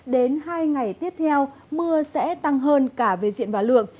đến hai ngày tiếp theo mưa sẽ tăng hơn cả về diện và lượng